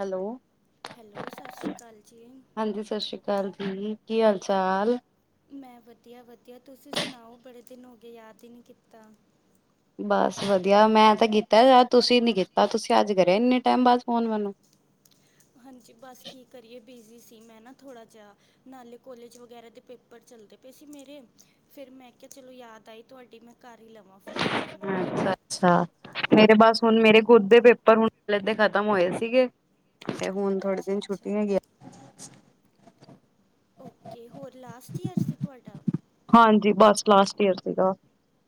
Hello hello ਸਤਿ ਸ਼੍ਰੀ ਅਕਾਲ ਜੀ ਹਾਂਜੀ ਸਤਿ ਸ੍ਰੀ ਅਕਾਲ ਜੀ। ਕੀ ਹਾਲ ਚਾਲ। ਮੈਂ ਵਧੀਆ ਵਧੀਆ ਤੁਸੀਂ ਸੁਣਾਓ ਬੜੇ ਦਿਨ ਹੋ ਗਏ ਯਾਦ ਹੀ ਨਹੀਂ ਕੀਤਾ। ਬਸ ਵਧੀਆ ਮੈਂ ਤਾਂ ਕੀਤਾ ਯਾਰ ਤੁਸੀਂ ਨੀ ਕੀਤਾ ਤੁਸੀਂ ਅੱਜ ਕਰਿਆ ਇੰਨੇ ਟਾਈਮ ਬਾਅਦ ਫੋਨ ਮੈਨੂੰ। ਹਾਂਜੀ ਬਸ ਕੀ ਕਰੀਏ। ਬਿਜ਼ੀ ਸੀ ਮੈਂ ਨਾ ਥੋੜਾ ਜਿਹਾ ਨਾਲੇ ਕੋਲੇਜ ਵਗੈਰਾ ਦੇ ਪੇਪਰ ਚੱਲਦੇ ਪਏ ਸੀ ਮੇਰੇ ਫਿਰ ਮੈਂ ਕਿਹਾ ਚਲੋ ਯਾਦ ਆਈ ਤੁਹਾਡੀ ਮੈਂ ਕਰ ਹੀ ਲਵਾਂ ਫੋਨ ਤ ਅੱਛਾ ਅੱਛਾ ਮੇਰੇ ਬਸ ਹੁਣ ਮੇਰੇ ਖੁਦ ਦੇ ਪੇਪਰ ਹੁਣ ਕੋਲੇਜ ਦੇ ਖਤਮ ਹੋਏ ਸੀਗੇ। ਤੇ ਹੁਣ ਥੋੜੇ ਅੱਛਾ ਦਿਨ ਅੱਛਾ ਛੁੱਟੀ ਹੈਗੀਆ ਓਕੇ। ਹੋਰ ਲਾਸਟ ਈਅਰ ਸੀ ਤੁਹਾਡਾ? ਹਾਂਜੀ ਬਸ ਲਾਸਟ ਈਅਰ ਸੀਗਾ।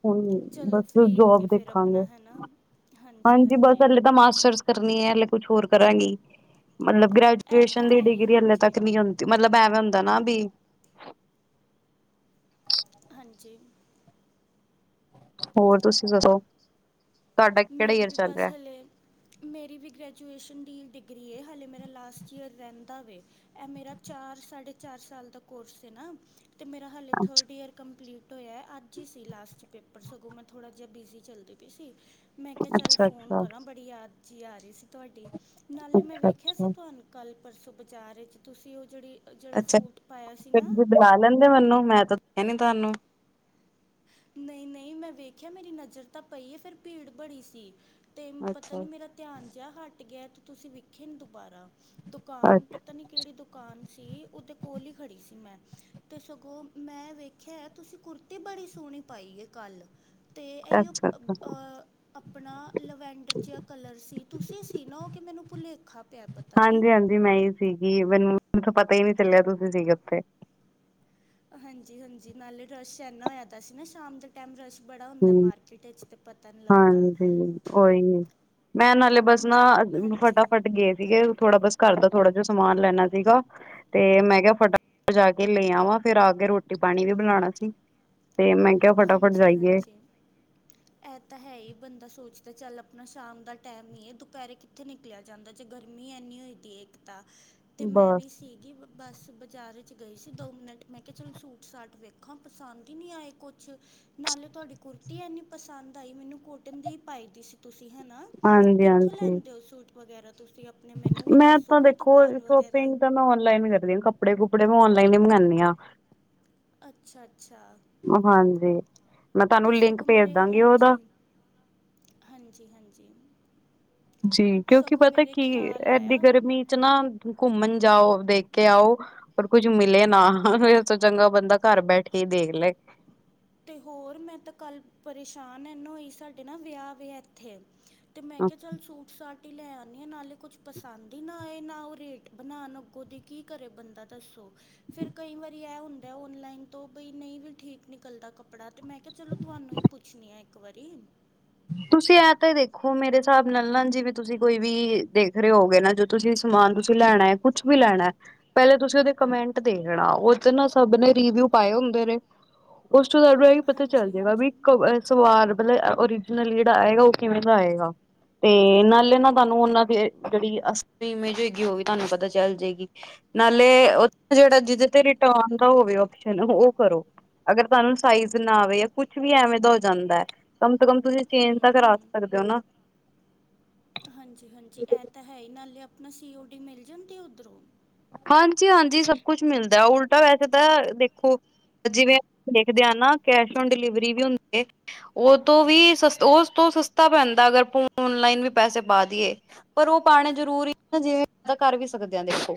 ਹਮ ਚਲੋ ਬਸ ਫ੍ਰੀ ਹੋ ਜੋਬ ਗਏ ਫਿਰ ਆਪਣਾ ਦੇਖਾਂਗੇ ਹੈ ਨਾ ਹਾਂਜੀ ਬਸ ਹਲੇ ਤਾਂ ਮਾਸਟਰਸ ਕਰਨੀ ਐ। ਕੁਛ ਹੋਰ ਕਰਾਂਗੀ। ਮਤਲਬ ਇਹ ਤਾਂ ਗ੍ਰੈਜੂਏਸ਼ਨ ਦੀ ਹੈ ਹੀ ਡਿਗਰੀ ਹਲੇੇ ਹਾਂਜੀ ਤੱਕ ਨਹੀਂ ਹੁੰਦੀ ਮਤਲਬ ਐਵੇਂ ਹੁੰਦਾ ਨਾ ਬੀ ਹਾਂਜੀ। ਹੋਰ ਤੁਸੀਂ ਦਸੋ। ਮੇਰੀ ਵੀ ਬਸ ਹਾਲੇ ਮੇਰੀ ਵੀ ਗ੍ਰੇਜੂਏਸ਼ਨ ਦੀ ਡਿਗ ਗ੍ਰਿਏ ਹਾਲੇ ਮੇਰਾ ਲਾਸਟ ਈਯਰ ਰੇਂਦਾ ਵੇ, ਐ ਮੇਰਾ ਚਾਰ ਸਾਢੇ ਚਾਰ ਸਾਲ ਦਾ ਕੋਰਸ ਐ ਨਾਂ ਮੇਰਾ ਹਲੇ ਥਰਡ ਈਅਰ ਕੰਪਲੀਟ ਹੋਇਆ, ਅੱਜ ਹੀ ਸੀ ਲਾਸਟ ਪੇਪਰ, ਸਗੋਂ ਮੈਂ ਥੋੜ੍ਹਾ ਜਿਹਾ ਬਿਜ਼ੀ ਚੱਲਦੀ ਪਈ ਸੀ ਅ ਮੈਂ ਕਿਆ ਚੱਲ ਅੱਛਾ ਫੋਨ ਅੱਛਾ ਕਰਾਂ ਬੜੀ ਯਾਦ ਜੀ ਆ ਰਹੀ ਸੀ ਤੁਆਡੀ। ਨਾਲੇ ਮੈਂ ਅੱਛਾ ਵੇਖਿਆ ਸੀ ਅੱਛਾ ਤੁਹਾਨੂੰ ਕੱਲ ਪਰਸੋਂ ਬਾਜ਼ਾਰ ਇੱਚ ਤੁਸੀਂ ਔ ਜਿਹੜੀ ਜਿਹੜਾ ਅੱਛਾ, ਸੂਟ ਪਾਇਆ ਸੀ ਫੇਰ ਨਾ ਤੁਸੀਂ ਬੁਲਾ ਲੈਂਦੇ ਮੈਂਨੁੰ ਮੈਂ ਤਾਂ ਏਨੇਂ ਤੁਹਾਨੂੰ ਨਈਂ ਨਈਂ, ਮੈਂ ਵੇਖਿਆ ਮੇਰੀ ਨਜ਼ਰ ਤਾਂ ਪਈ ਏ ਫੇਰ ਭੀੜ ਬੜੀ ਸੀ। ਤੇ ਪਤਾ ਅੱਛਾ ਨੀਂ ਮੇਰਾ ਧਿਆਨ ਜਿਹਾ ਹਟ ਗਿਆ ਤੇ ਤੁਸੀਂ ਵਿਖੇ ਨਈਂ ਦੁਬਾਰਾ। ਦੁਕਾਨ, ਅੱਛਾ ਪਤਾ ਨੀਂ ਕਿਹੜੀ ਦੁਕਾਨ ਸੀ ਔਦੇ ਕੋਲ ਹੀ ਖੜੀ ਸੀ ਮੈਂ। ਤੇ ਸਗੋਂ ਮੈਂ ਵੇਖਿਆ ਏ ਤੁਸੀਂ ਕੁਰਤੀ ਬੜੀ ਸੋਹਣੀ ਪਾਈਏ ਕੱਲ। ਤੇ ਏਇਯੋ ਅੱਛਾ ਆ ਅੱਛਾ ਆ ਆ ਆਪਣਾ ਲਵੈਂਡਰ ਜਿਹਾ ਕਲਰ ਸੀ, ਤੁਸੀਂ ਸੀ ਨਾ ਔ ਕਿ ਮੈਨੂੰ ਭੁਲੇਖਾ ਪਿਆ ਪਤਾ ਨੀਂ। ਹਾਂਜੀ ਹਾਂਜੀ ਮੈਂ ਹੀ ਸੀਗੀ ਮੈਨੂੰ ਤਾਂ ਪਤਾ ਹੀ ਨਹੀਂ ਚੱਲਿਆ ਤੁਸੀਂ ਸੀਗੇ ਓਥੇ। ਹਾਂਜੀ ਹਾਂਜੀ, ਨਾਲੇ ਰਸ਼ ਏਨਾਂ ਹੋਇਆ ਦਾ ਸੀ ਨਾ ਸ਼ਾਮ ਦੇ ਟੈਮ ਰਸ਼ ਬੜਾ ਹੁੰਦਾ ਹੁਂ, ਮਾਰਕੀਟ ਵਿੱਚ ਤੇ ਪਤਾ ਨਹੀਂ ਲੱਗਦਾ ਹਾਂਜੀ ਉਹੀ ਏ, ਮੈਂ ਨਾਲੇ ਬਸ ਨਾ ਮੈਂ ਹਾਂਜੀ ਫਟਾਫਟ ਗਏ ਸੀਗੇ ਥੋੜਾ ਬਸ ਘਰਦਾ ਥੋੜਾ ਜਿਹਾ ਸਮਾਨ ਲੈਣਾ ਸੀਗਾ ਤੇ ਮੈਂ ਕਿਹਾ ਫਟਾਫਟ ਜਾ ਕੇ ਲੈ ਆਵਾਂ ਫੇਰ ਆ ਕੇ ਰੋਟੀ-ਪਾਣੀ ਵੀ ਬਣਾਣਾ ਸੀ। ਤੇ ਮੈਂ ਕਿਹਾ ਫਟਾਫਟ ਜਾਈਏ। ਏ ਤਾਂ ਹੈ ਈ ਬੰਦਾ ਸੋਚਦਾ ਚੱਲ ਆਪਣਾ ਸ਼ਾਮ ਦਾ ਟੈਮ ਈ ਐ। ਦੁਪੇਰੇ ਕਿੱਥੇ ਨਿਕਲਿਆ ਜਾਂਦਾ ਜੇ ਗਰਮੀ ਐਨੀ ਹੋਏ ਦੀ ਏ ਇੱਕ ਤਾਂ। ਤੇ ਮੈਂ ਬਸ ਵੀ ਸੀਗੀ ਬੱਸ ਬਾਜ਼ਾਰ ਚ ਗਈ ਸੀ ਦੋ ਮਿੰਟ। ਮੈਂ ਕਿਹਾ ਚਲ ਸੂਟ-ਸਾਟ ਵੇਖਾਂ ਪਸੰਦ ਈ ਨਹੀਂ ਆਏ ਕੁ ਝ ਨਾਲੇ ਤੁਆਡੀ ਕੁਰਤੀ ਏਨੀਂ ਪਸੰਦ ਆਈ ਮੈਨੂੰ ਕੋਟਨ ਦੀ ਈ ਪਾਈ ਦੀ ਸੀ ਤੁਸੀਂ। ਹੇਨਾਂ ਹਾਂਜੀ ਕਿੱਥੋਂ ਹਾਂਜੀ ਲੈਂਦੇ ਹੋ ਸੂਟ? ਵਗੈਰਾ ਤੁਸੀਂ ਆਪਣੇ ਮੈਨੂੰ ਵੀ ਮੈਂ ਦੱਸੋ ਤਾਂ ਕੋਈ ਦੇਖੋ ਦੁਕਾਨ ਵਗੈਰਾ ਸ਼ੋਪਿੰਗ ਤਾਂ ਮੈਂ ਔਨਲਾਈਨ ਕਰਦੀ ਹਾਂ ਕੱਪੜੇ ਕੁਪ ਕੱਪੜੇ ਮੈਂ ਔਨਲਾਈਨ ਹੀ ਮੰਗਾਂਣੀ ਆਂ। ਅੱਛਾ। ਅੱਛਾ ਮੈਂ ਤੇ ਤੁਹਾਨੂੰ ਲਿੰਕ ਸਗੋਂ ਭੇਜ ਮੇਰੇ ਦਾਂਗੀ ਉਹਦਾ। ਹਾਂਜੀ, ਹਾਂਜੀ ਹਾਂਜੀ। ਜੀ। ਕਿਉਂਕਿ ਸਗੋਂ ਪਤਾ ਮੇਰੇ ਕੀ ਖਿਆਲ ਏਡੀ ਆਇਆ ਗਰਮੀ ਚ ਨਾ ਘੁੰਮਣ ਜਾਓ, ਦੇਖ ਕੇ ਆਓ, ਪਰ ਕੁੱਝ ਮਿਲੇ ਨਾ, ਏਸ ਤੋ ਚੰਗਾ ਬੰਦਾ ਘਰ ਬੈਠ ਕੇ ਹੀ ਦੇਖ ਲੇ। ਤੇ ਹੋਰ, ਮੈਂ ਤਾਂ ਕੱਲ ਪਰੇਸ਼ਾਨ ਏਨਾ ਹੋਈ ਸਾਡੇ ਨਾ ਵਿਆਹ ਵੇ, ਇੱਥੇ। ਤੇ, ਮੈਂ ਕਿਹਾ, ਚੱਲ ਸੂਟ-ਸਾਟ ਲੈ ਆਂਨੀ ਆ ਨਾਲੇ ਕੁਛ ਪਸੰਦ ਹੀ ਨਾ ਆਏ, ਨਾ ਉਹ ਰੇਟ ਬਨਾਣ ਅੱਗੋਂ ਦੇ ਕੀ ਕਰੇ ਬੰਦਾ ਦੱਸੋ। ਫਿਰ ਕਈ ਵਾਰੀ ਐ ਹੁੰਦਾ ਔਨਲਾਈਨ ਤੋਂ ਬਈ, ਨਹੀਂ ਵੀ ਠੀਕ ਨਿਕਲ ਬੰਦਾ ਕੱਪੜਾ ਮੈਂ ਕਿਹਾ ਚਲੋ, ਤੁਹਾਨੂੰ ਹੀ ਪੁੱਛਣੀ ਹੈ। ਇੱਕ ਵਾਰੀ, ਤੁਸੀਂ ਐ ਤੇ ਦੇਖੋ, ਮੇਰੇ ਹਿਸਾਬ ਨਾਲ ਨਾ ਜਿਵੇ ਤੁਸੀ, ਕੋਈ ਵੀ ਦੇਖ ਰਹੇ ਹੋਗੇ ਨਾ ਜੋ ਤੁਸੀ ਸਮਾਨ ਤੁਸੀ ਲੈਣਾ ਆ ਕੁਛ ਵੀ ਲੈਣਾ, ਪਹਿਲੇ ਤੁਸੀਂ ਉਹਦੇ ਕਮੈਂਟ ਦੇਖ ਲੈਣਾ ਉਹਦੇ ਤੇ ਨਾ, ਸਭ ਨੇ ਰਿਵਿਊ ਪਾਏ ਹੁੰਦੇ ਨੇ। ਉਸ ਤੁਾਨੂੰ ਇਹ ਪਤਾ ਚੱਲ ਹਾਂਜੀ ਜਾਏਗਾ ਵੀ ਹਾਂਜੀ ਸਵਾਦ ਬਣਾਇਆ ਓਰਿਜ [unintelligible] ਉਹ ਕਿਵੇਂ ਦਾ ਆਏਗਾ ਤੇ ਨਾਲੇ ਨਾ ਤੁਹਾਨੂੰ ਉਹਨਾਂ ਦੀ ਜਿਹੜੀ ਅਸਲੀ ਇਮੇਜ ਹੋਗੀ ਉਹ ਵੀ ਤੁਹਾਨੂੰ ਪਤਾ ਚੱਲ ਜੇਗੀ, ਨਾਲੇ ਉਹਦਾ ਜਿਹੜਾ ਜਿਹਦੇ ਤੇ ਰਿਟਰਨ ਦਾ ਹੋਵੇ ਆਪਸ਼ਨ ਉਹ ਕਰੋ। ਅਗਰ ਤੁਹਾਨੂੰ ਸਾਈਜ਼ ਨਾ ਆਵੇ ਕੁਝ ਵੀ ਐਵੇਂ ਦਾ ਹੋ ਜਾਂਦੈ ਕਮ ਸੇ ਕਮ ਤੁਸੀ, ਚੇਂਜ ਹੂੰ ਤਾਂ ਹੂੰ ਕਰਾ ਸਕਦੇ ਹੋ ਨਾ। ਹਾਂਜੀ। ਹਾਂਜੀ। ਐ ਤਾਂ ਹੈ ਹੀ ਨਾਲ ਸੀਓਡੀ ਮਿਲ ਜਾਂਦੀ ਉਧਰੋਂ? ਹਾਂਜੀ। ਹਾਂਜੀ। ਸਭ ਕੁਝ ਮਿਲਦਾ ਉਲਟਾ ਵੈਸੇ ਤਾਂ ਦੇਖੋ, ਜਿਵੇਂ ਦੇਖਦੇ ਆ ਨਾ ਕੈਸ਼ ਔਨ ਡਿਲੀਵਰੀ ਵੀ ਹੁੰਦੀ ਹ, ਉਹ ਤੋਂ ਵੀ ਉਸ ਤੋਂ ਸਸਤਾ ਪੈਂਦਾ, ਅਗਰ ਔਨਲਾਈਨਦ ਵੀ ਪੈਸੇ ਪਾ ਦੀਏ, ਪਰ ਉਹ ਪਾਣੀ ਜਰੂਰੀ ਨਾ ਜੇ ਕਰ ਵੀ ਸਕਦੇ ਆ ਦੇਖੋ।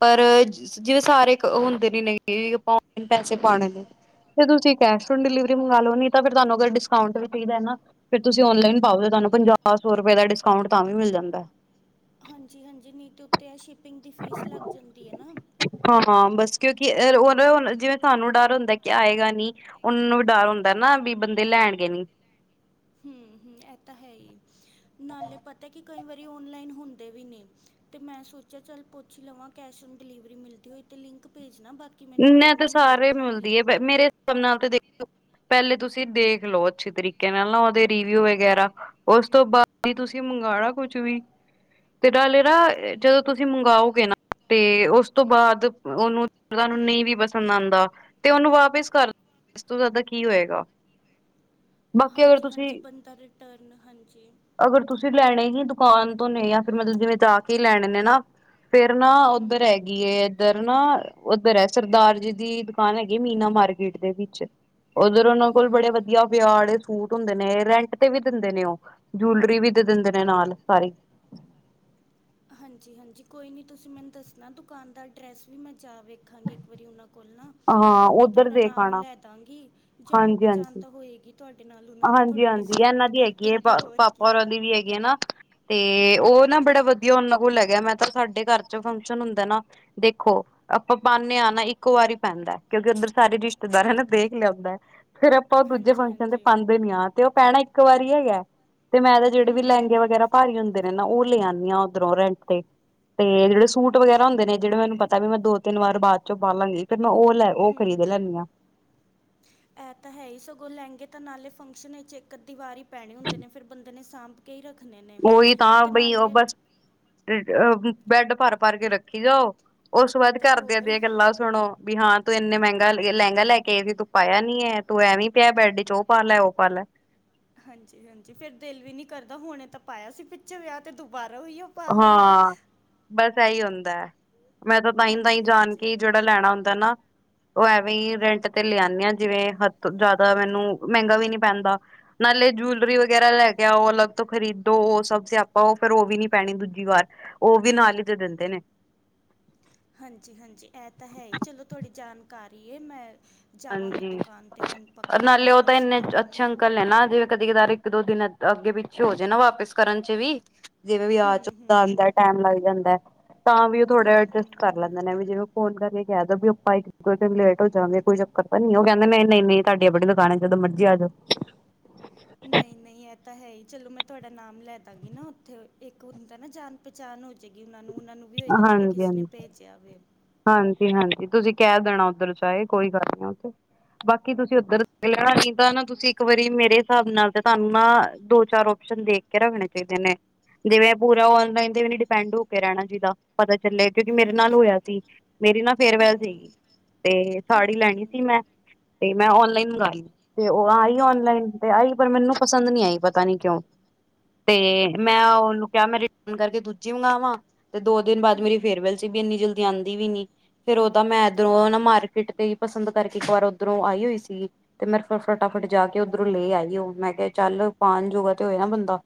ਪਰ ਜਿਵੇਂ ਸਾਰੇ ਓ ਹੁੰਦੇ ਨੇ ਫੋਨ ਚ ਪੈਸੇ ਪਾਣੇ, ਤੇ ਤੁਸੀਂ ਕੈਸ਼ ਓਂਨ ਡਿਲਿਵਰੀ ਮੰਗਾ ਲਓ ਨਹੀਂ ਤਾਂ, ਫਿਰ ਤੁਹਾਨੂੰ ਅਗਰ ਡਿਸਕਾਉਂਟ ਵੀ ਚਾਹੀਦਾ ਨਾ, ਫਿਰ ਤੁਸੀਂ ਔਨਲਾਈਨ ਪਾਓ, ਤੁਹਾਨੂੰ ਪੰਜਾ- ਸੋ ਦਾ ਡਿਸਕਾਉਂਟ ਤਾਂ ਵੀ ਮਿਲ ਜਾਂਦਾ ਐ। ਹਾਂਜੀ। ਹਾਂਜੀ। ਨੀਟੂ ਕੈਸ਼ ਈ ਫੀਸ ਲੱਗ ਜਾਂਦੀ ਏ ਨਾ ਹਾਂ, ਬਸ ਕਿਉਂਕਿ ਉਹ ਜਿਵੇਂ ਸਾਨੂੰ ਡਰ ਹੁੰਦਾ ਕਿ, ਆਏਗਾ ਨੀ ਉਹਨਾਂ ਨੂੰ ਵੀ ਡਰ ਹੁੰਦਾ ਨਾ ਵੀ ਬੰਦੇ ਲੈਣਗੇ ਨੀ। ਹੂੰ ਹੂੰ ਇਹ ਤਾਂ ਹੈ ਨਾਲੇ ਪਤਾ ਕੀ ਕਈ ਵਾਰੀ ਓਨਲਾਈਨ ਹੁੰਦੇ ਵੀ ਨੀ ਤੇ, ਮੈਂ ਸੋਚਿਆ ਚੱਲ ਪੁੱਛ ਲਵਾਂ ਕੈਸ਼ ਡਿਲੀਵਰੀ ਮਿਲਦੀ ਹੋਈ ਤੇ ਲਿੰਕ ਭੇਜ ਮ ਤਾਂ ਸਾਰੇ ਮਿਲਦੀ ਹੈ ਮੇਰੇ [unintelligible] ਪਹਿਲੇ ਤੁਸੀਂ ਦੇਖਲੋ ਅੱਛੀ ਤਰੀਕੇ ਨਾਲ ਨਾ ਓਦੇ ਰਿਵਿਊ ਵਗੈਰਾ, ਉਸ ਤੋਂ ਬਾਅਦ ਵੀ ਤੁਸੀਂ ਮੰਗਾਣਾ ਕੁਛ ਵੀ ਤੇ ਨਾਲ਼ੇ ਨਾ, ਜਦੋਂ ਤੁਸੀਂ ਮੰਗਾਓਗੇ ਨਾ ਤੇ ਉਸ ਤੋਂ ਬਾਅਦ ਓਨੂੰ ਤੁਹਾਨੂੰ ਨਹੀਂ ਵੀ ਪਸੰਦ ਆਉਂਦਾ ਤੇ, ਉਹਨੂੰ ਵਾਪਿਸ ਕਰ ਇਸ ਤੋ, ਜ਼ਿਆਦਾ ਕੀ ਹੋਏਗਾ। ਬਾਕੀ ਅਗਰ ਹਾਂਜੀ। ਤੁਸੀਂ ਹਾਂਜੀ। ਬੰਦਾ ਰਿਟਰਨ, ਹਾਂਜੀ। ਅਗਰ ਤੁਸੀਂ ਲੈਣੇ ਦੁਕਾਨ ਤੋਂ ਨੇ ਜਾਂ ਫਿਰ ਮਤਲਬ ਜਿਵੇਂ ਜਾ ਕੇ ਲੈਣੇ ਨੇ, ਨਾ ਫੇਰ ਨਾ ਹੂੰ ਉੱਧਰ ਹੈਗੀ ਏ ਇੱਧਰ ਨਾ ਉੱਧਰ ਹੈ, ਸਰਦਾਰ ਜੀ ਦੀ ਦੁਕਾਨ ਹੈਗੀ ਮੀਨਾ ਮਾਰਕੀਟ ਦੇ ਵਿੱਚ। ਉਧਰ ਉਹਨਾਂ ਕੋਲ ਹੂੰ ਬੜੇ ਹੂੰ ਵਧੀਆ ਵਿਆਹ ਆਲੇ ਸੂਟ ਹੁੰਦੇ ਨੇ ਰੈਂਟ ਤੇ ਵੀ ਦਿੰਦੇ ਨੇ ਉਹ, ਜੂਲਰੀ ਵੀ ਦੇ ਦਿੰਦੇ ਨੇ ਨਾਲ ਸਾਰੀ। ਹਾਂਜੀ-ਹਾਂਜੀ। ਕੋਈ ਨਹੀਂ ਤੁਸੀਂ ਮੈਨੂੰ ਦੱਸਣਾ ਦੁਕਾਨ ਦਾ ਐਡਰੈਸ ਵੀ, ਮੈਂ ਜਾ ਵੇਖਾਂਗੀ ਇੱਕ ਵਾਰੀ ਉਹਨਾਂ ਕੋਲ ਨਾ ਹਾਂ ਬਾਕੀ ਉੱਧਰ ਤੁਹਾਡਾ ਦੇਖ ਨਾਮ ਆਣਾ ਲੈ ਦਾਂਗੀ ਜਾਣ- ਹਾਂਜੀ ਪਹਿਚਾਣ ਹਾਂਜੀ ਤਾਂ ਹੋਏਗੀ ਤੁਹਾਡੀ। ਹਾਂਜੀ। ਹਾਂਜੀ। ਇਹਨਾਂ ਦੀ ਹੈਗੀ ਹੈ, ਦੇਣਗੇ ਹੋਰ ਪਾਪਾ ਕੀ ਹੋਰਾਂ ਦੀ ਵੀ ਹੈਗੀ ਹੈ, ਨਾ। ਤੇ ਉਹ ਨਾ ਬੜਾ ਵਧੀਆ ਉਹਨਾਂ ਕੋਲ ਹੈਗਾ। ਮੈਂ ਤਾਂ, ਸਾਡੇ ਘਰ ਚ ਫੰਕਸ਼ਨ ਹੁੰਦਾ ਨਾ ਦੇਖੋ ਆਪਾਂ ਪਾਦੇ ਆਂ ਨਾ ਇੱਕੋ ਵਾਰੀ ਪੈਂਦਾ ਕਿਉਂਕਿ ਉੱਧਰ ਸਾਰੇ ਰਿਸ਼ਤੇਦਾਰਾਨੇ ਦੇਖ ਲਿਆ ਹੂੰਦੈ। ਫੇਰ, ਆਪਾਂ ਉਹ ਦੂਜੇ ਹਾਂਜੀ ਫੰਕਸ਼ਨ ਹਾਂਜੀ ਤੇ ਯਾਂ ਤੇ ਉਹ ਪੈਣਾ ਇੱਕ ਵਾਰੀ ਹੈਗਾ। ਤੇ ਮੈਂ ਤਾਂ ਜਿਹੜੇ ਵੀ ਲਹਿੰਗੇ ਹੂੰ ਵਗੈਰਾ ਭਾਰੀ ਹੁੰਦੇ ਨੇ ਨਾ ਉਹ ਲੇ ਆਦੀ ਹਾਂ ਉੱਧਰੋਂ ਰੈਂਟ ਤੇ-ਤੇ ਜਿਹੜੇ ਸੂਟ ਵਗੈਰਾ ਹੁੰਦੇ ਨੇ ਜਿਹੜੇ ਮੈਨੂੰ ਪਤਾ ਵੀ ਮੈਂ ਦੋ, ਤਿੰਨ ਵਾਰ ਬਾਅਦ ਚੋਂ ਪਾਾਲਾਂਗੀ। ਹੂੰ ਹੂੰ ਇਹ ਤਾਂ ਹੈ ਹੀ ਸਗੋਂ ਲਹਿੰਗੇ ਤਾਂ ਨਾਲੇ ਫੰਕਸ਼ਨ 'ਚ ਇੱਕ ਅਧੀ ਵਾਰ ਪੈਣੇ ਹੁੰਦੇ ਨੇ ਫਿਰ ਬੰਦੇ ਨੇ ਸਾਂਭ ਕੇ ਹੀ ਰੱਖਣੇ ਨੇ ਉਹੀ ਤਾਂ ਅਤੇ ਬਈ ਨਾਲੇ ਬਸ ਆ ਬੈਡ ਭਰ ਭਰ ਕੇ ਰੱਖੀ ਜਾਓ। ਉਸ ਤੋਂ ਬਾਅਦ ਅਤੇ ਘਰਦਿਆਂ ਹੋਰ ਦੀਆਂ ਗੱਲਾਂ ਸੁਣੋ ਵੀ ਹਾਂ ਤੂੰ ਇੰਨੇ ਮਹਿੰਗਾ ਲਹਿੰਗਾ ਲੈ ਕੇ ਆਏ ਸੀ ਤੂੰ ਪਾਇਆ ਨੀ ਹੈ ਤੂੰ ਐਂ ਵੀ ਪਿਆ ਬੈਡ ਚ ਉਹ ਪਾ ਲੈ ਉਹ ਪਾ ਲੈ। ਹਾਂਜੀ ਹਾਂਜੀ ਫੇਰ ਦਿਲ ਵੀ ਨੀ ਕਰਦਾ ਹੁਣੇ ਤਾਂ ਪਾਇਆ ਸੀ ਪਿੱਛੇ ਵਿਆਹ ਤੇ ਦੁਬਾਰਾ ਉਹੀਓ ਪਾ ਲਵਾਂ ਹਾਂ ਬਸ ਇਹੀ ਹੁੰਦਾ। ਹੁੰਦਾ ਮੈਂ ਤਾਂ ਤਹੀ ਤਹੀਂ ਹਾਂਜੀ ਜਾਣ ਹਾਂਜੀ ਕੇ ਜਿਹੜਾ ਲੈਣਾ ਹੁੰਦਾ ਨਾ ਉਹ ਐਵੇਂ ਹੀ ਰੈਂਟ ਤੇ ਲਿਆਂਦੇ ਹਾਂ ਜਿਵੇਂ ਹੱਦ ਜ਼ਿਆਦਾ ਮੈਨੂੰ ਮਹਿੰਗਾ ਵੀ ਨੀ ਪੈਂਦਾ ਨਾਲੇ ਜੂਲਰੀ ਵਗੈਰਾ ਲੈ ਗਿਆ ਉਹ ਅਲੱਗ ਤੋਂ ਖਰੀਦੋ ਉਹ ਸਬ ਆਪਾਂ ਉਹ ਫੇਰ ਉਹ ਵੀ ਨੀ। ਪੈਣੀ ਦੂਜੀ ਵਾਰ ਉਹ ਵੀ ਨਾਲ ਹੀ ਤੇ ਦਿੰਦੇ ਨੇ। ਹਾਂਜੀ- ਹਾਂਜੀ ਇਹ ਤਾਂ ਹੈ ਹੀ ਚਲੋ ਤੁਹਾਡੀ ਜਾਣਕਾਰ ਇਹ ਮੈਂ ਜਾਵਾਂਗੀ ਹਾਂਜੀ ਦੁਕਾਨ 'ਤੇ ਹੁਣ ਪੱਕਾ ਨਾਲੇ ਕੱਲ੍ਹ ਉਹ ਤਾਂ ਪਰਸੋਂ ਇੰਨੇ ਤੱਕ ਨਾ ਅੱਛੇ ਹੂੰ ਅੰਕਲ ਨੇ ਨਾ ਜਿਵੇਂ ਕਦੇ ਕਦਾਰ ਇੱਕ ਦੋ ਦਿਨ ਅੱਗੇ ਪਿੱਛੇ ਹੋ ਜਾ ਨਾ ਵਾਪਿਸ ਕਰਨ ਚ ਵੀ ਜਿਵੇਂ ਵਿਆਜ ਚ ਹੂੰ ਆਦਾ ਟੈਮ ਲੱਗ ਜਾਂਦਾ ਐ। ਤਾਂ ਵੀ ਉਹ ਥੋੜ੍ਹਾ ਜਹਾ ਹੂੰ ਹੂੰ ਅਡਜਸਟ ਕਰ ਲੈਂਦੇ ਨੇ ਵੀ ਜੇ ਉਹ ਫੋਨ ਕਰਕੇ ਕਹਿ ਦਓ ਵੀ ਆਪਾਂ ਇੱਕ ਦਿਨ ਲੇਟ ਹੋ ਜਾਵਾਂਗੇ ਕੋਈ ਪਤਾ ਨੀ ਉਹ ਕਹਿੰਦੇ ਨਹੀਂ ਨਹੀਂ ਨਹੀਂ ਤੁਹਾਡੀ ਆਪਣੀ ਦੁਕਾਨ ਹੈ ਜਦੋਂ ਮਰਜੀ ਆ ਜਾਓ। ਨਹੀਂ ਨਹੀਂ ਇਹ ਤਾਂ ਹੈ ਹੀ ਚਲੋ ਮੈਂ ਤੁਹਾਡਾ ਨਾਮ ਲੈ ਦਾਂਗੀ ਨਾ ਉੱਥੇ ਇੱਕ ਹਦਾ ਨਾ ਜਾਣ ਪਹਿਚਾਣ ਹੋ ਜਾਏਗੀ। ਉਹ ਨੂੰ ਨੂੰ ਵੀ ਹੋਏਗਾ ਚਲੋ ਹਾਂਜੀ ਕਿਸੇ ਨੇ -ਹਾਂਜੀ, ਭੇਜਿਆ ਵੇ ਹਾਂਜੀ -ਹਾਂਜੀ ਤੁਸੀਂ ਕਹਿ ਦੇਣਾ ਉੱਧਰ ਚਾਹੇ ਕੋਈ ਗੱਲ ਨੀ ਬਾਕੀ ਤੁਸੀਂ ਉੱਧਰ ਲੈਣਾ ਨ ਤਾਂ ਤੁਸੀਂ ਇੱਕ ਵਾਰੀ ਮੇਰੇ ਹਿਸਾਬ ਨਾਲ ਤੇ ਤੁਹਾਨੂੰ ਨਾ ਦੋ ਚਾਰ ਓਪਸ਼ਨ ਦੇਖ ਕੇ ਰੱਖਣੇ ਚਾਹੀਦੇ ਨੇ, ਜਿਵੇਂ ਪੂਰਾ ਓਨਲਾਈਨ ਤੇ ਵੀ ਨੀ ਡਿਪੈਂਡ ਹੋ ਕੇ ਰਹਿਣਾ ਚਾਹੀਦਾ। ਪਤਾ ਚੱਲੇ। ਕਿਉਂਕਿ ਮੇਰੇ ਨਾਲ ਹਾਂਜੀ ਹੋਇਆ ਸੀ ਮੇਰੀ ਨਾ ਫੇਅਰਵੈਲ ਹੂੰ ਸੀਗੀ ਤੇ ਸਾੜੀ ਹੂੰ ਲੈਣੀ ਸੀ ਹੂੰ ਮੈਂ ਤੇ ਮੈਂ ਓਨਲਾਈਨ ਤੇ ਉਹ ਆਈ ਓਨਲਾਈਨ ਤੇ ਆਈ ਪਰ ਮੈਨੂੰ ਪਸੰਦ ਨੀ ਆਈ ਪਤਾ ਨੀ ਕਿਉਂ ਤੇ ਮੈਂ ਹਾਂਜੀ ਉਹਨੂੰ ਕਿਹਾ ਮੈਂ ਰਿਟਰਨ ਕਰਕੇ ਦੂਜੀ ਮੰਗਾਵਾਂ ਦੋ ਦਿਨ ਬਾਅਦ ਮੇਰੀ ਹੂੰ ਫੇਅਰੈਲ ਸੀ ਵੀ ਇੰਨੀ ਜਲਦੀ ਆਂਦੀ ਵੀ ਨੀ। ਫੇਰ ਉਹਦਾ ਇਹ ਮੈਂ ਤਾਂ ਹੈ ਇਧਰੋਂ ਨਾ ਹੀ ਮਾਰਕੀਟ ਤੇ ਹੀ ਪਸੰਦ ਕਰਕੇ ਇੱਕ ਵਾਰ ਉਧਰੋਂ ਆਈ ਹੋਈ ਸੀਗੀ ਤੇ ਮੇ ਫ ਫਟਾਫਟ ਜਾ ਕੇ ਉੱਧਰੋਂ ਲੈ ਆਈ ਉਹ ਮੈਂ ਕਿਹਾ ਚੱਲ ਪਾਉਣ ਜੋਗਾ ਤੇ ਹੋਇ ਨਾ ਬੰਦਾ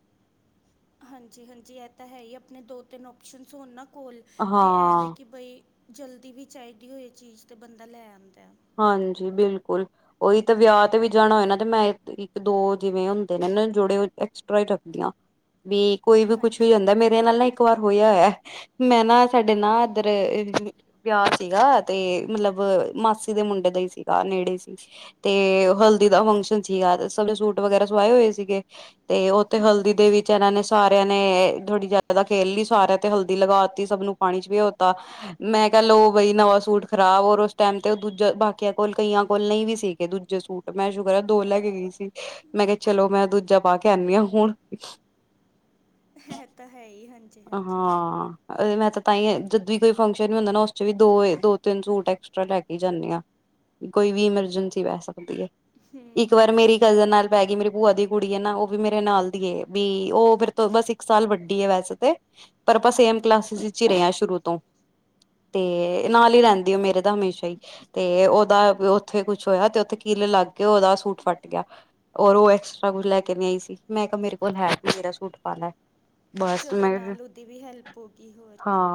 ਹਾਂਜੀ ਹਾਂਜੀ ਇਹ ਤਾਂ ਹੈ ਹੀ ਆਪਣੇ ਦੋ ਤਿੰਨ ਓਪਸ਼ਨ ਹੋਣ ਨਾ। ਕੋਲ ਤੇ ਐ ਵ ਹਾਂ ਕਿ ਬਈ ਜਲਦੀ ਵੀ ਚਾਹੀਦੀ ਹੋਏ ਚੀਜ਼ ਤੇ ਬੰਦਾ ਲੈ ਆਉਂਦਾ ਹਾਂਜੀ ਬਿਲਕੁਲ ਉਹੀ ਤਾਂ ਵਿਆਹ ਤੇ ਵੀ ਜਾਣਾ ਹੋਏ ਨਾ ਤੇ ਮੈਂ ਇੱਕ ਦੋ ਜਿਵੇਂ ਹੁੰਦੇ ਨੇ ਜੌੜੇ ਐਕਸਟਰਾ ਹੀ ਰੱਖਦੀ ਆ ਵੀ ਕੋਈ ਵੀ ਕੁਛ ਹੋ ਹਾਂਜੀ ਜਾਂਦਾ ਹਾਂਜੀ ਮੇਰੇ ਨਾਲ ਨਾ ਇੱਕ ਵਾਰ ਹੋਇਆ ਹੋਇਆ ਮੈਂ ਨਾ ਸਾਡੇ ਨਾ ਇਧਰ ਹੂੰ ਵਿਆ ਸੀਗਾ ਤੇ ਮਤਲਬ ਮਾਸੀ ਦੇ ਮੁੰਡੇ ਦਾ ਹੀ ਸੀਗਾ ਨੇੜੇ ਸੀ ਤੇ ਹਲਦੀ ਦਾ ਫੰਕਸ਼ਨ ਸੀਗਾ ਸੋਹਣੇ ਸੂਟ ਵਗੈਰਾ ਸਵਾਏ ਹੋਏ ਸੀਗੇ ਤੇ ਉੱਥੇ ਹਲਦੀ ਹੂੰ ਦੇ ਵਿੱਚ ਇਹਨਾਂ ਨੇ ਸਾਰਿਆਂ ਨੇ ਨੇ ਥੋੜੀ ਜਿਆਦਾ ਖੇਲ ਲਈ ਸਾਰਿਆਂ ਤੇ ਹਲਦੀ ਲਗਾ ਦਿੱਤੀ ਸਭ ਨੂੰ ਪਾਣੀ ਚ ਵੀ ਹੋਤਾ ਮੈਂ ਕਹਿ ਲੋਓ ਬਈ ਨਵਾਂ ਸੂਟ ਖਰਾਬ ਔਰ ਉਸ ਟਾਈਮ ਤੇ ਦੂਜਾ ਬਾਕੀਆਂ ਕੋਲ ਕਈਆਂ ਕੋਲ ਨਹੀਂ ਵੀ ਸੀਗੇ ਦੂਜੇ ਸੂਟ ਮੈਂ ਸ਼ੁ ਕਰ ਦੋ ਲੈ ਕੇ ਗਈ ਸੀ ਮੈਂ ਕਿਹਾ ਚਲੋ ਮੈਂ ਦੂਜਾ ਪਾ ਕੇ ਆਂਦੀ ਆ ਹੁਣ ਇਹ ਤਾਂ ਹੈ ਹੀ ਹਾਂਜੀ ਹਾਂਜੀ ਹਾਂ ਮੈਂ ਤੇ ਤਾਂ ਹੀ ਜਦ ਵੀ ਕੋਈ ਫੰਕਸ਼ਨ ਵੀ ਹੁੰਦਾ ਨਾ ਉਸ 'ਚ ਵੀ ਦੋ ਦੋ ਤਿੰਨ ਸੂਟ ਐਕਸਟਰਾ ਲੈ ਕੇ ਜਾਂਦੇ ਹਾਂ ਕੋਈ ਵੀ ਐਮਰਜੈਂਸੀ ਪੇ ਸਕਦੀ ਹੈ। ਇੱਕ ਹੂੰ ਵਾਰ ਮੇਰੀ ਹੂੰ ਕਜ਼ਨ ਨਾਲ ਪੈ ਹਾਂਜੀ ਗਈ ਮੇਰੀ ਭੂਆ ਦੀ ਕੁੜੀ ਹੈ ਨਾ ਉਹ ਵੀ ਮੇਰੇ ਨਾਲ ਦੀ ਵੀ ਉਹ ਫੇਿਰ ਤੋਂ ਬਸ ਇੱਕ ਸਾਲ ਵੱਡੀ ਹੈ ਵੈਸੇ ਪਰ ਆਪਾਂ ਸੇਮ ਕਲਾਸ ਵਿਚ ਹੀ ਰਹੇ ਹਾਂ ਸ਼ੁਰੂ ਤੋਂ, ਤੇ ਨਾਲ ਹੀ ਰਹਿੰਦੀ ਮੇਰੇ ਦਾ ਹਮੇਸ਼ਾ ਹੀ ਤੇ ਉਹਦਾ ਉਥੇ ਕੁਛ ਹੋਇਆ ਤੇ ਉਥੇ ਕਿਲ ਲੱਗ ਕੇ ਓਦਾ ਸੂਟ ਫਟ ਗਿਆ ਔਰ ਉਹ ਐਕਸਟਰਾ ਕੁਛ ਲੈ ਕੇ ਨੀ ਆਈ ਸੀ ਮੈਂ ਕਿਹਾ ਮੇਰੇ ਕੋਲ ਹੈ ਮੇਰਾ ਸੂਟ ਪਾ ਲੈ। ਚਲੋ ਨਾਲ ਉਹਦੀ ਵੀ ਹੈਲਪ ਹੋ ਗਈ ਹੋਰ ਕੇ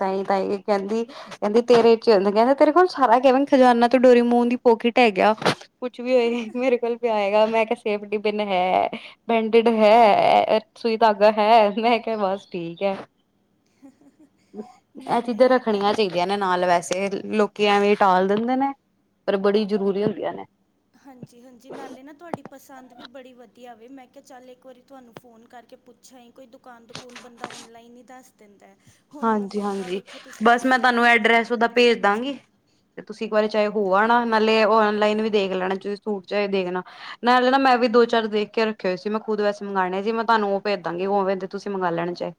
ਤ ਕਹਿੰਦੀ ਕਹਿੰਦੀ ਤੇਰੇ ਚ ਕਹਿੰਦੇ ਤੇਰੇ ਕੋਲ ਸਾਰਾ ਕ ਖਜਾਨਾ ਤੋਂ ਡੋਰੀ ਮੂਨ ਦੀ ਪੋਕਿਟ ਹੈਗਾ। ਕੁਛ ਵੀ ਹੋਏ ਮੇਰੇ ਕੋਲ ਹੈਗਾ ਮੈਂ ਕਿਹਾ ਸੇਫਟੀ ਪੀਨ ਹੈ ਬੈਂਡਡ ਹੈ ਸੂਈ ਧਾਗਾ ਹੈ। ਮੈਂ ਕਿਹਾ ਬਸ ਠੀਕ ਹੈ। ਇਹ ਨਹੀਂ ਚੀਜਾ ਨਹੀਂ ਤਾਂ ਰੱਖਣੀਆਂ ਹੈ ਹੀ ਚਾਹੀਦੀਆਂ ਨੇ ਨਾਲ ਵੈਸੇ ਲੋਕ ਐਵੇਂ ਟਾਲ ਦਿੰਦੇ ਨੇ ਪਰ ਬੜੀ ਜ਼ਰੂਰੀ ਹੁੰਦੀਆਂ ਨੇ। ਹਾਂਜੀ ਹਾਂਜੀ ਨਾਲੇ ਨਾ ਤੁਹਾਡੀ ਪਸੰਦ ਵੀ ਬੜੀ ਵਧੀਆ ਵੇ ਮੈਂ ਕਿਹਾ ਚੱਲ ਇੱਕ ਵਾਰੀ ਤੁਹਾਨੂੰ ਫੋਨ ਕਰਕੇ ਪੁੱਛਿਆ ਹੀ ਕੋਈ ਦੁਕਾਨ ਦੁਕੂਨ ਬੰਦਾ ਔਨਲਾਈਨ ਹੀ ਦੱਸ ਦਿੰਦਾ। ਹੁਣ ਮੈਂ ਹਾਂਜੀ ਪੱਕਾ ਹਾਂਜੀ ਵੇਖੋ ਤੁਸੀਂ ਬਸ ਮੈਂ ਦੱਸਿਆ ਤੁਹਾਨੂੰ ਮੈਨੂੰ ਐਡਰੈਸ ਓਦਾਂ ਭੇਜ ਹਾਂਜੀ ਦਾਂਗੀ ਤੇ ਤੁਸੀਂ ਇੱਕ ਵਾਰੀ ਚਾਹੇ ਹੋ ਆਉਣਾ ਨਾਲੇ। ਓਨਲਾਈਨ ਵੀ ਦੇਖ ਲੈਣਾ ਸੂਟ ਚ ਦੇਖਣਾ ਨਾਲ਼ੇ ਨਾ ਮੈਂ ਵੀ ਦੋ ਚਾਰ ਦੇਖ ਕੇ ਰੱਖੇ ਹੋਏ ਸੀ ਮੈਂ ਖੁਦ ਵੈਸੇ ਮੰਗਵਾਉਣੇ ਸੀ। ਮੈਂ ਤੁਹਾਨੂੰ ਉਹ ਭੇਜ ਦਾਂਗੀ ਉਵੇਂ ਤੁਸੀਂ ਮੰਗ ਲੈਣੇ ਚਾਹੇ।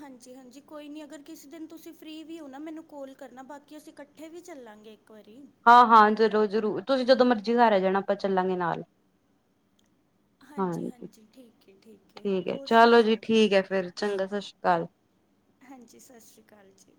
ਹਾਂਜੀ ਹਾਂਜੀ ਕੋਈ ਨੀ ਅਗਰ ਕਿਸੇ ਦਿਨ ਤੁਸੀਂ ਫ੍ਰਰੀ ਵੀ ਹੋ ਨਾ ਮੈਨੂੰ ਕੋਾਲ ਕਰਨਾ ਬਾਕੀ ਅਸੀਂ ਇਕੱਠੇ ਵੀ ਚੱਲਾਂਗੇ ਇੱਕ ਵਾਰੀ ਹਾਂ ਹਾਂ ਜ਼ਰੂਰ ਜ਼ਰੂਰ ਤੁਸੀਂ ਜਦੋਂ ਮਰਜੀੀ ਘਰ ਆ ਜਾਣਾ ਆਪਾਂ ਚੱਲਾਂਗੇ ਨਾਲ ਹਾਂਜੀ ਠੀਕ ਹੈ ਚਲੋ ਜੀ ਠੀਕ ਹੈ ਫੇਿਰ ਚੰਗਾ। ਸਤਿ ਸ਼੍ਰੀ ਅਕਾਲ।। ਹਾਂਜੀ ਸਤਿ ਸ੍ਰੀ ਅਕਾਲ ਜੀ।।